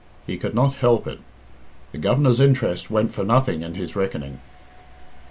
He could not help it; the Governor's interest went for nothing in his reckoning.